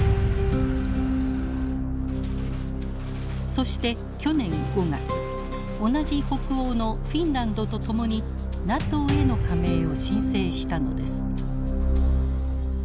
そして去年５月同じ北欧のフィンランドと共にＮＡＴＯへの加盟を申請したのです。